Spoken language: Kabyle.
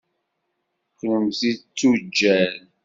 Kennemti d tuǧǧal?